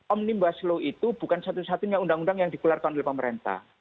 omnibus law itu bukan satu satunya undang undang yang dikeluarkan oleh pemerintah